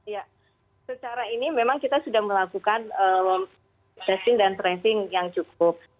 ya secara ini memang kita sudah melakukan testing dan tracing yang cukup